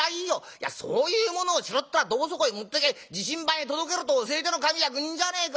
いやそういうものを拾ったらどこそこへ持ってけ自身番へ届けろと教えてる上役人じゃねえか。